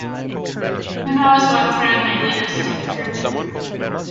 Who knows what thread may lead us to the truth?